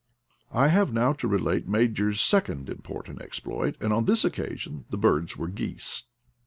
I have now to relate Major's second important exploit, and on this occasion the birds were geese.